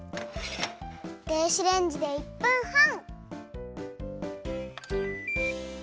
電子レンジで１分はん。